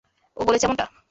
ও বলেছে এমনটা?